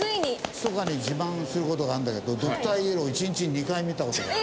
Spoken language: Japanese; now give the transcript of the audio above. ひそかに自慢する事があるんだけどドクターイエロー１日に２回見た事がある。